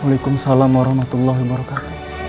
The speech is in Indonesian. waalaikumsalam warahmatullahi wabarakatuh